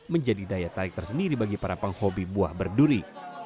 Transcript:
menjadi daya tarik tersendiri bagi para penghobi buah berduri